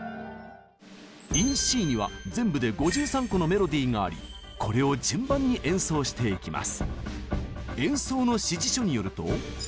「ＩｎＣ」には全部で５３個のメロディーがありこれを順番に演奏していきます。